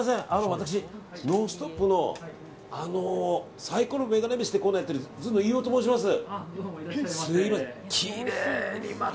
私、「ノンストップ！」のサイコロメガネ飯というコーナーやってるずんの飯尾と申します。